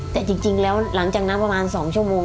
แต่จริงแล้วหลังจากนั้นประมาณ๒ชั่วโมง